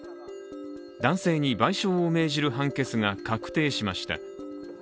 男性に賠償を命じる判決が確定しました。